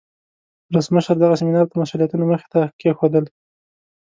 ولسمشر دغه سیمینار ته مسئولیتونه مخې ته کیښودل.